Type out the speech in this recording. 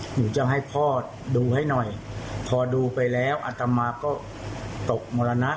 หนูจะให้พ่อดูให้หน่อยพอดูไปแล้วอัตมาก็ตกมรณะ